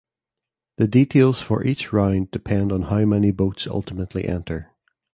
The details for each round depend on how many boats ultimately enter.